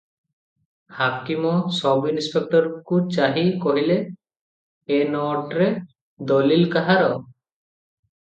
ହାକିମ ସବ୍ଇନିସ୍ପେକ୍ଟରଙ୍କୁ ଚାହିଁ କହିଲେ- "ଏ ନୋଟରେ ଦଲିଲ କାହାର?"